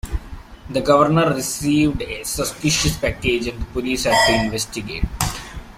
The governor received a suspicious package and the police had to investigate.